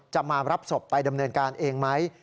จะมารับศพไปดำเนินการเองไหม